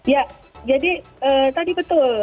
ya jadi tadi betul